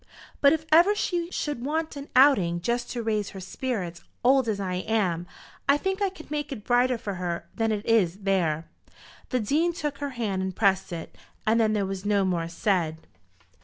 But if ever she should want an outing, just to raise her spirits, old as I am, I think I could make it brighter for her than it is there." The Dean took her hand and pressed it, and then there was no more said.